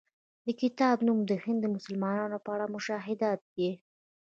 د کتاب نوم د هند د مسلمانانو په اړه مشاهدات دی.